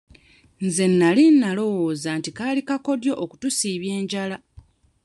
Nze nnalowooza nti kaali kakodyo okutusiibya enjala.